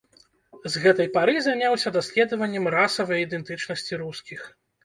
З гэтай пары заняўся даследаваннем расавай ідэнтычнасці рускіх.